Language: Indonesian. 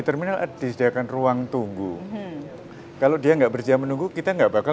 terminal disediakan ruang tunggu kalau dia nggak bersedia menunggu kita nggak bakal